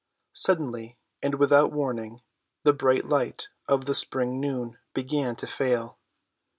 Suddenly, and without warning, the bright light of the spring noon began to fail.